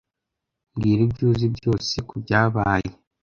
Mbwira ibyo uzi byose kubyabaye.